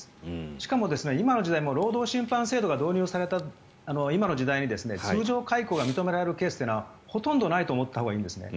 しかも今の時代、労働審判制度が導入された今の時代に通常解雇が認められるケースはほとんどないと思ったほうがいいです。